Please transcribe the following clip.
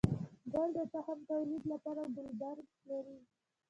گل د تخم توليد لپاره ګلبرګ لري